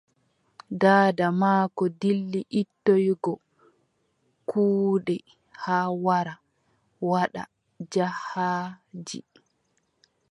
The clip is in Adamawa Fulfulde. Daada maako dilli ittoygo koode haa wara waɗa jahaaji.